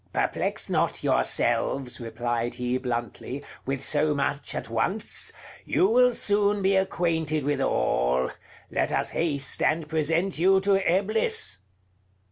"Perplex not yourselves," replied he bluntly, "with so much at once; you will soon be acquainted with all: let us haste and present you to Eblis."